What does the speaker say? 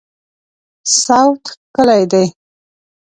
صوت ښکلی دی